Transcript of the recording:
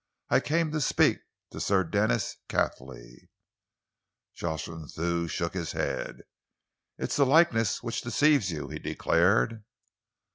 I came to speak to Sir Denis Cathley." Jocelyn Thew shook his head. "It is a likeness which deceives you," he declared.